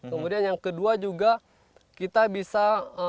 kemudian yang kedua juga kita bisa